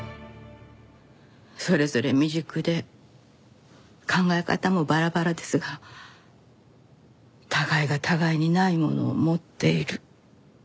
それぞれ未熟で考え方もバラバラですが互いが互いにないものを持っている。